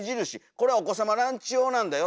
「これはお子様ランチ用なんだよ」。